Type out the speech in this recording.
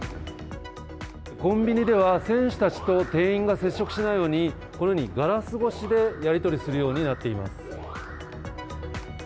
コンビニでは、選手たちと店員が接触しないように、このようにガラス越しでやり取りするようになっています。